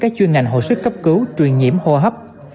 các chuyên ngành hồi sức cấp cứu truyền nhiễm hô hấp